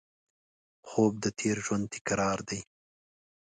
خوب د تېر ژوند تکرار دی